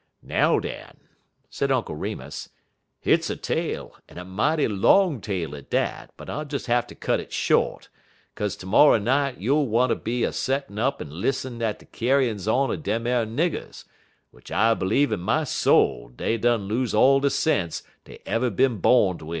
"Now, den," said Uncle Remus, "hit's a tale, en a mighty long tale at dat, but I'll des hatter cut it short, 'kaze termorrer night you'll wanter be a settin' up lis'nen at de kyar'n's on er dem ar niggers, w'ich I b'leeve in my soul dey done los' all de sense dey ever bin bornded wid.